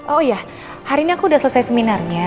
oh ya hari ini aku udah selesai seminarnya